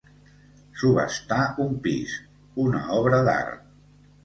Subhastar un pis, una obra d'art.